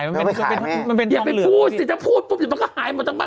อย่าไปพูดสิถ้าพูดน้องก็หายหมดทั้งบ้าน